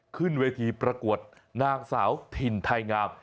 ขึ้นเวทีประกวดนางสาวถิ่นไทยงาม